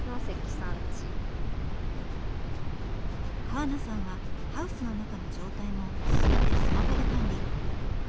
川名さんはハウスの中の状態も全てスマホで管理。